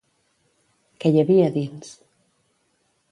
Què hi havia dins?